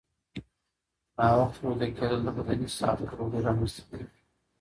ناوخته ویده کېدل د بدني ساعت ګډوډي رامنځته کوي.